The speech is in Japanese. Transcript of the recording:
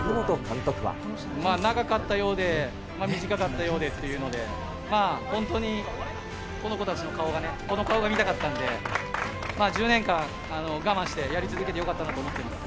長かったようで、短かったようでっていうので、本当にこの子たちの顔がね、この顔が見たかったんで、１０年間我慢して、やり続けてよかったなと思ってます。